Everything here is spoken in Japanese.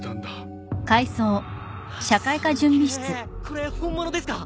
これ本物ですか？